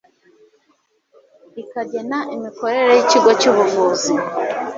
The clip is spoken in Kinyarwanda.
rikagena imikorere y ikigo cy ubuvuzi